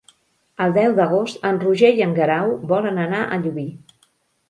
El deu d'agost en Roger i en Guerau volen anar a Llubí.